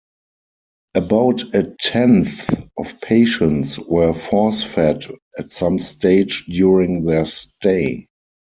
About a tenth of patients were force-fed at some stage during their stay.